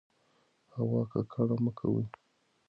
هوا ککړه مه کوئ.